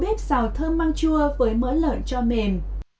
nấu bếp xào thơm măng chua với mỡ lợn cho mềm